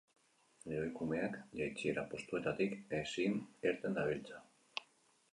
Lehoikumeak jaitsiera postuetatik ezin irten dabiltza.